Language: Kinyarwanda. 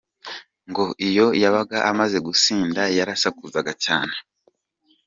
ngo iyo yabaga amaze gusinda, yarasakuzaga cyane.